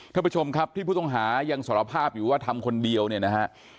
ท่านผู้ชมครับที่ผู้ต้องหายังสารภาพอยู่ว่าทำคนเดียวเนี่ยนะฮะ